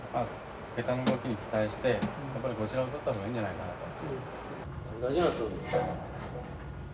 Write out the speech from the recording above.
桁の動きに期待してやっぱりこちらをとった方がいいんじゃないかなと。